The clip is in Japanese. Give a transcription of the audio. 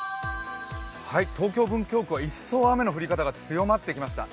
東京・文京区は一層雨の降り方が強まってきました。